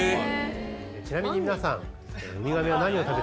ちなみに皆さん。